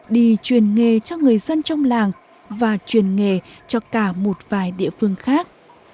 đi truyền nghề cho người dân trong làng và truyền nghề cho cả một vài địa phương khác